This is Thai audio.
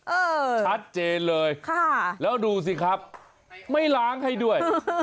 เออชัดเจนเลยค่ะแล้วดูสิครับไม่ล้างให้ด้วย